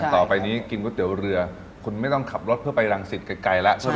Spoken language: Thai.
ต่อไปนี้กินก๋วยเตี๋ยวเรือคุณไม่ต้องขับรถเพื่อไปรังสิตไกลแล้วใช่ไหม